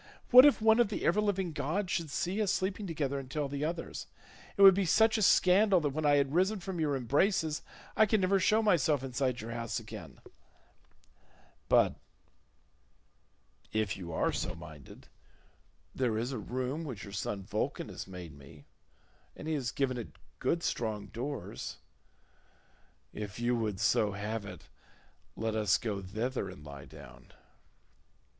What if one of the ever living gods should see us sleeping together, and tell the others? It would be such a scandal that when I had risen from your embraces I could never show myself inside your house again; but if you are so minded, there is a room which your son Vulcan has made me, and he has given it good strong doors; if you would so have it, let us go thither and lie down."